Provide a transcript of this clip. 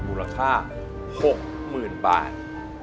มูลค่า๖๐๐๐๐บาท